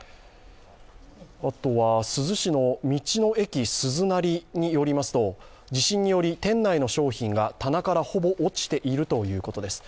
あとは珠洲市の道の駅によりますと店内の商品が棚からほぼ落ちているということです。